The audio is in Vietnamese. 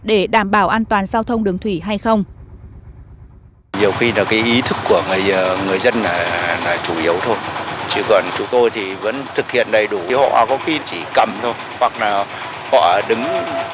để đảm bảo an toàn giao thông đường thủy hay không